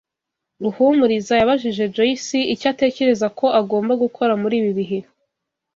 Ruhumuriza yabajije Joyce icyo atekereza ko agomba gukora muri ibi bihe.